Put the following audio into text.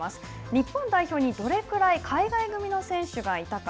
日本代表にどれくらい海外組の選手がいたか。